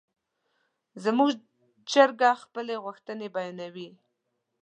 زموږ چرګه خپلې غوښتنې بیانوي.